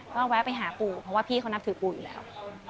ก็แวะไปหาปู่เพราะว่าพี่เขานับถือปู่อยู่แล้ว